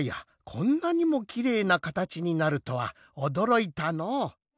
こんなにもきれいなかたちになるとはおどろいたのう。